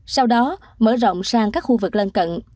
sau đó mở rộng sang các khu vực lân cận